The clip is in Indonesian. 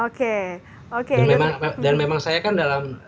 oke oke dan memang saya kan dalam